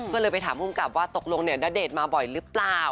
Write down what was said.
ก็เลยไปถามภูมิกับว่าตกลงเนี่ยณเดชน์มาบ่อยหรือเปล่า